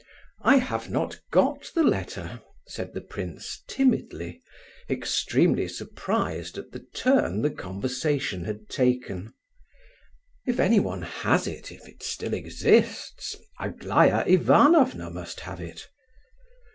"I have not got the letter," said the prince, timidly, extremely surprised at the turn the conversation had taken. "If anyone has it, if it still exists, Aglaya Ivanovna must have it."